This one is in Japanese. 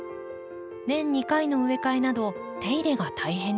年２回の植え替えなど手入れが大変でした。